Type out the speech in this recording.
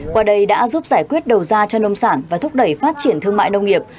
qua đây đã giúp giải quyết đầu ra cho nông sản và thúc đẩy phát triển thương mại nông nghiệp